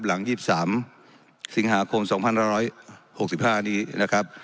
หลัง๒๓สิงหา๖๒๖๕นี้นะครับ